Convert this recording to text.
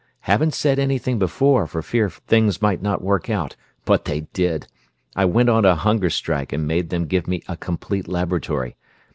Haven't said anything before, for fear things might not work out, but they did. I went on a hunger strike and made them give me a complete laboratory.